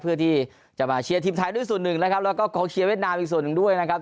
เพื่อที่จะมาเชียร์ทีมไทยด้วยส่วนหนึ่งนะครับแล้วก็กองเชียร์เวียดนามอีกส่วนหนึ่งด้วยนะครับ